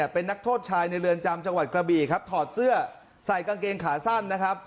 เป็นนักโทษชายในเรือนจำจังหวัดกระบี่ครับถอดเสื้อใส่กางเกงขาสั้นนะครับ